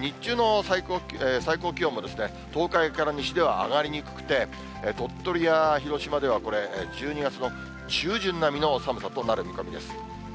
日中の最高気温も、東海から西では上がりにくくて、鳥取や広島ではこれ、１２月の中旬並みの寒さとなる見込みです。